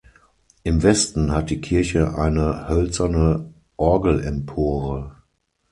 Im Westen hat die Kirche eine hölzerne Orgelempore.